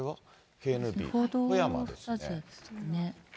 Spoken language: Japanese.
ＫＮＢ、富山ですね。